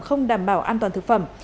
không đảm bảo an toàn thực phẩm